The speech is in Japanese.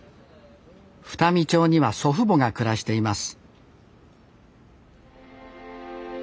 双海町には祖父母が暮らしています